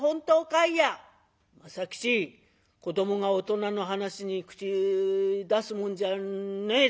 「政吉子どもが大人の話に口出すもんじゃねえぞ」。